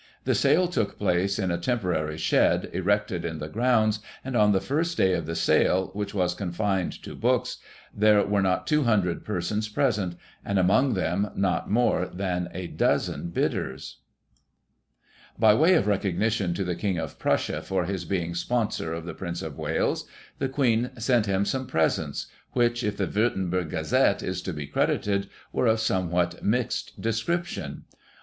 The sale took place in a temporary shed, erected in the grounds, and on the first day of the sale, which was confined to books, there were not 200 persons present, and among them, not more than a dozen bidders. By way of recognition to the King of Prussia for his being sponsor of the Prince of Wales, the Queen sent him some presents, which, if the Wurtzburg Gazette is to be credited, were of somewhat mixed description, i.